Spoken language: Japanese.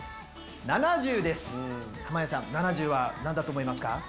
濱家さん「７０」は何だと思いますか？